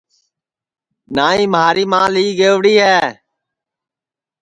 نائی مھاری ماں لی گئوڑی ہے